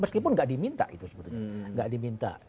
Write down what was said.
meskipun gak diminta itu sebetulnya gak diminta